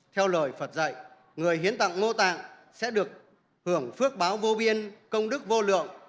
theo lời phật dạy người hiến tặng mô tạng sẽ được hưởng phước báo vô biên công đức vô lượng